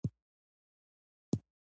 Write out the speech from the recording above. او احتمالي سيلابي خطرونو د مخنيوي په موخه